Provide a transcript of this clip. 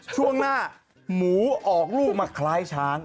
ช่วงหน้าหมูออกลูกมาคล้ายช้าง